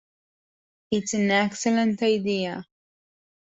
It's an excellent idea.